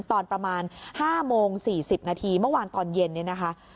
ตอนประมาณ๕โมง๔๐นาทีเมื่อวานตอนเย็นเนี่ยนะคะ